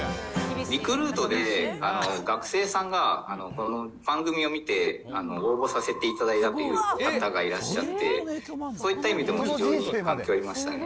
リクルートで学生さんが、番組を見て応募させていただいたという方がいらっしゃって、そういった意味でも非常に反響ありましたね。